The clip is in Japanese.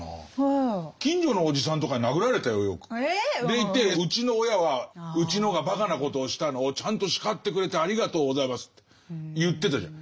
⁉でいてうちの親は「うちのがばかなことをしたのをちゃんと叱ってくれてありがとうございます」って言ってたじゃん。